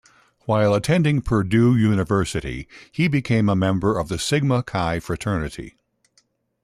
While attending Purdue University, he became a member of the Sigma Chi fraternity.